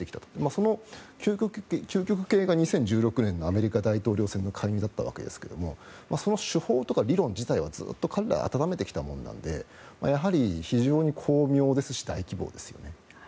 その究極系が２０１６年のアメリカ大統領選の介入だったわけですがその手法とか理論自体はずっと彼らは温めてきたものなのでやはり非常に巧妙ですし大規模ですよね。